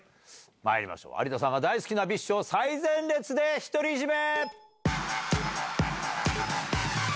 有田さんが大好きなＢｉＳＨを最前列で独り占め！